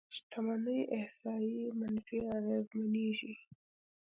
شتمنۍ احصایې منفي اغېزمنېږي.